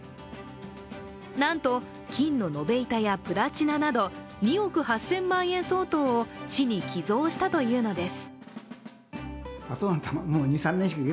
なんと、金の延べ板やプラチナなど２億８０００万円相当を市に寄贈したというのです。